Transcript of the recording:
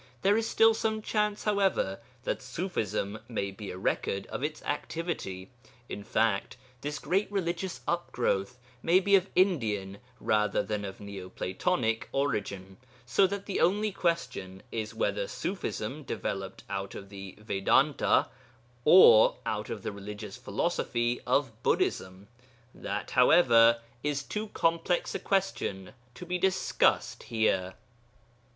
There is still some chance, however, that Ṣufism may be a record of its activity; in fact, this great religious upgrowth may be of Indian rather than of Neoplatonic origin, so that the only question is whether Ṣufism developed out of the Vedanta or out of the religious philosophy of Buddhism. That, however, is too complex a question to be discussed here.